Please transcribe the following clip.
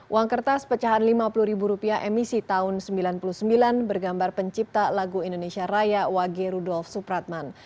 uang kertas pecahan lima puluh ribu rupiah emisi tahun seribu sembilan ratus sembilan puluh sembilan bergambar pencipta lagu indonesia raya wage rudolf supratman